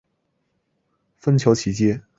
芬乔奇街。